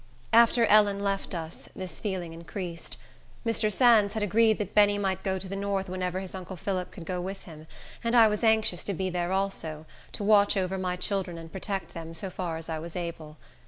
After Ellen left us, this feeling increased. Mr. Sands had agreed that Benny might go to the north whenever his uncle Phillip could go with him; and I was anxious to be there also, to watch over my children, and protect them so far as I was able.